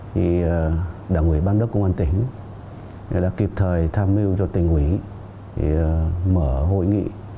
thì đảng ủy ban đốc công an tỉnh đã kịp thời tham mưu cho tỉnh ủy mở hội nghị